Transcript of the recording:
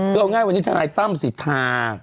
ช่วยเอาง่ายว่าที่ท่านายตั้มสิทธิ์ทาง